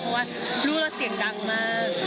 เพราะว่าลูกเราเสียงดังมาก